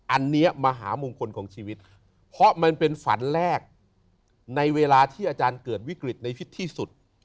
อันนี้มหามงคลของชีวิตเพราะมันเป็นฝันแรกในเวลาที่อาจารย์เกิดวิกฤตในชีวิตที่สุด